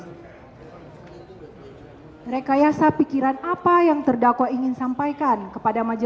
hai rekayasa pikiran apa yang terdakwa ingin sampaikan kepada